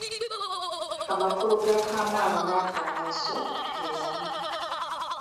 Amakulu ga Kamwano n’aKamweso ge gamu.